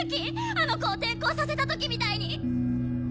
あの子を転校させた時みたいに！